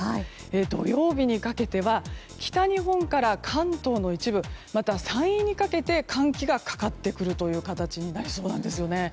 土曜日にかけては北日本から関東の一部また、山陰にかけて寒気がかかってくるという形になりそうなんですよね。